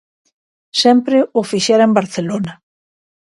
Sempre o fixera en Barcelona.